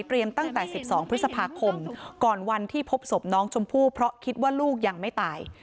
ตั้งแต่๑๒พฤษภาคมก่อนวันที่พบศพน้องชมพู่เพราะคิดว่าลูกยังไม่ตาย